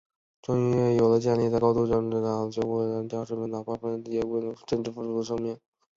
正是由于有了建立在高度政治觉悟基础上的革命纪律，将士们……哪怕烈火焚身，也岿然不动，直至付出生命。